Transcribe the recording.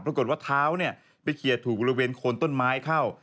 ปรากฏว่าเท้าไปเขียดถูกบริเวณโคนต้นไม้เข้า